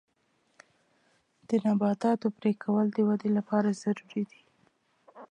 د نباتاتو پرې کول د ودې لپاره ضروري دي.